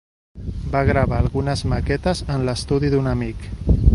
Va gravar algunes maquetes en l'estudi d'un amic.